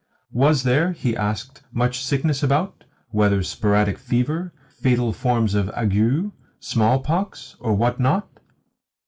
Was there, he asked, much sickness about whether sporadic fever, fatal forms of ague, smallpox, or what not?